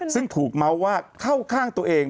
ซึ่งถูกเมาส์ว่าเข้าข้างตัวเอง